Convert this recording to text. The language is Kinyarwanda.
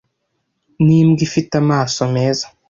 Nimbwa ifite amaso meza